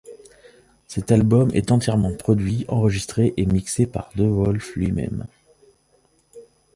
Cet album est entièrement produit, enregistré et mixé par DeWolff lui-même.